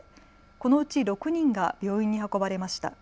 このうち６人が病院に運ばれました。